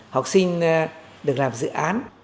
học sinh được làm dự án